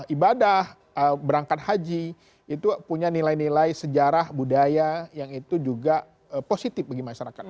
ibadah berangkat haji itu punya nilai nilai sejarah budaya yang itu juga positif bagi masyarakat